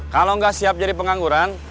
kalau nggak siap jadi pengangguran